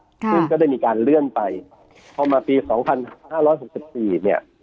ซึ่งก็ได้มีการเลื่อนไปพอมาปีสองพันห้าร้อยหกสิบสี่เนี่ย